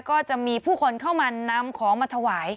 ก็จะมีผู้คนเข้ามานำของมาถวาย